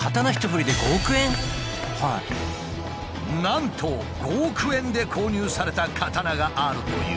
なんと５億円で購入された刀があるという。